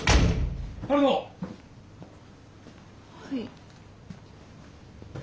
はい。